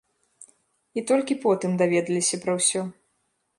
І толькі потым даведаліся пра ўсё.